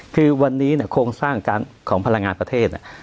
คือวันนี้เนี่ยโครงสร้างของพลังงานประเทศ